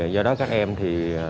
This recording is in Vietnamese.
do đó các em thì